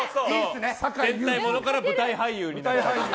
戦隊ものから舞台俳優になる。